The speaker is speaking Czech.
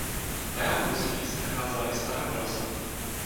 Na jeho území se nacházela i Stará Boleslav.